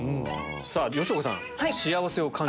さぁ吉岡さん。